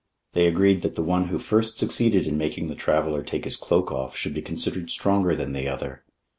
They agreed that the one who first succeeded in making the traveler take his cloak off should be considered stronger than the other.